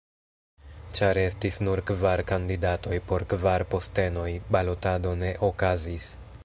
Ĉar estis nur kvar kandidatoj por kvar postenoj, balotado ne okazis.